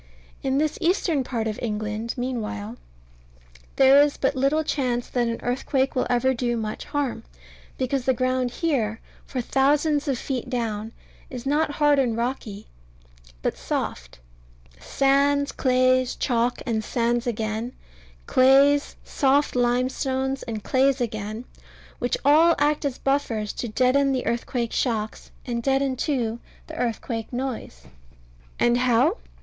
In this eastern part of England, meanwhile, there is but little chance that an earthquake will ever do much harm, because the ground here, for thousands of feet down, is not hard and rocky, but soft sands, clays, chalk, and sands again; clays, soft limestones, and clays again which all act as buffers to deaden the earthquake shocks, and deaden too the earthquake noise. And how?